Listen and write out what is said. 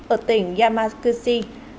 ở tỉnh yamaguchi